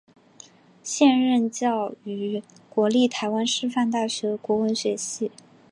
现任教于国立台湾师范大学国文学系。